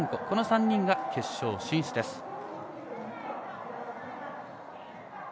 この３人が決勝進出です。